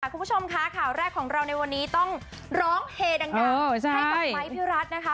คุณผู้ชมค่ะข่าวแรกของเราในวันนี้ต้องร้องเฮดังให้กับไม้พี่รัฐนะคะ